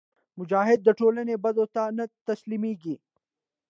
مجاهد د ټولنې بدو ته نه تسلیمیږي.